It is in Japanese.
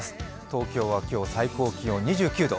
東京は今日、最高気温２９度。